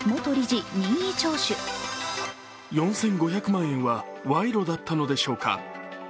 ４５００万円は賄賂だったのでしょうか。